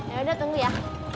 yaudah tunggu ya